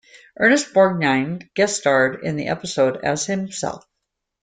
Ernest Borgnine guest starred in the episode as himself.